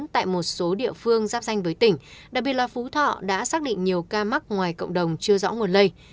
tại một số địa phương giáp danh với tỉnh đặc biệt là phú thọ đã xác định nhiều ca mắc ngoài cộng đồng chưa rõ nguồn lây